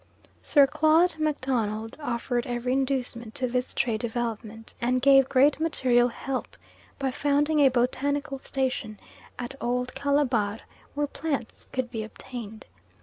Sir Claude MacDonald offered every inducement to this trade development, and gave great material help by founding a botanical station at Old Calabar, where plants could be obtained.